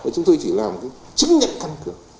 chúng tôi chỉ làm cái chứng nhận căn cước